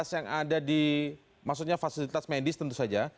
yang ada di maksudnya fasilitas medis tentu saja